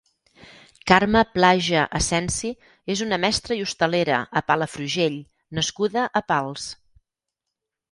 Carme Plaja Asensi és una mestra i hostalera a Palafrugell nascuda a Pals.